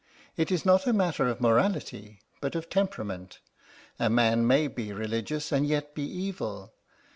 It is not a matter of morality, but of temperament. A man may be religious and yet be evil.